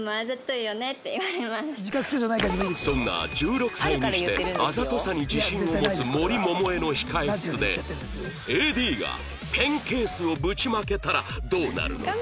そんな１６歳にしてあざとさに自信を持つ森萌々穂の控室で ＡＤ がペンケースをぶちまけたらどうなるのか？